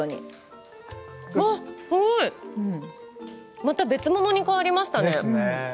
すごいまた別物に変わりましたね。